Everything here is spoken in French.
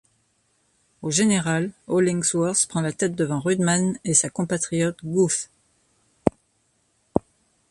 Au général, Hollingsworth prend la tête devant Rudman et sa compatriote Gough.